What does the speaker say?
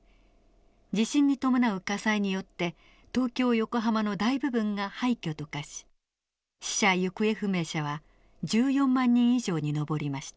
地震に伴う火災によって東京横浜の大部分が廃虚と化し死者行方不明者は１４万人以上に上りました。